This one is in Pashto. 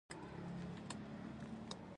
ځیني فکټورونه د پیاوړتیا پروسه ممکنوي.